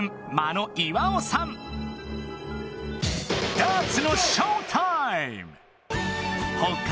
ダーツのショータイム！